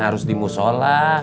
harus di musola